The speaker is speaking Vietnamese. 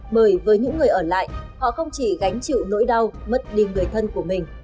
bởi với những người ở lại họ không chỉ gánh chịu nỗi đau mất đi người thân của mình